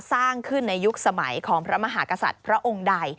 สร้างขึ้นในยุคสมัยของพระมหากษัตริย์พระองค์ใด